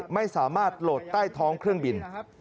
ไม่สามารถโหลดใต้ท้องเครื่องบิน